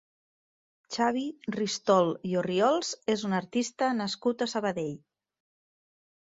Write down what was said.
Xavi Ristol i Orriols és un artista nascut a Sabadell.